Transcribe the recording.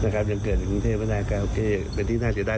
ก็โอเคเป็นที่น่าเสียดาย